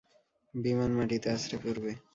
বিমান মাটিতে আছড়ে পড়বে।